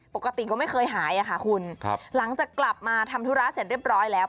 ปกติก็ไม่เคยหายค่ะคุณหลังจากกลับมาทำธุระเสร็จเรียบร้อยแล้ว